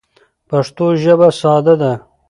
پښتو ژبه ساده ده.